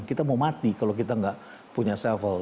kita mau mati kalau kita nggak punya sevel